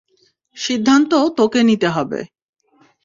সিদ্ধান্ত তোকে নিতে হবে!